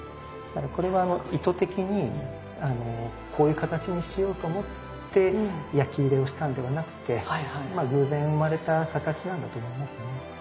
これは意図的にこういう形にしようと思って焼き入れをしたんではなくてまあ偶然生まれた形なんだと思いますね。